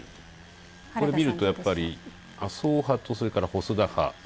これを見ると、やっぱり麻生派と細田派。